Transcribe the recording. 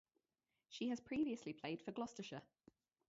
She has previously played for Gloucestershire.